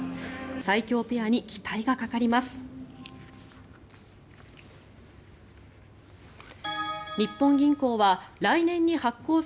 最強ペアに期待がかかります。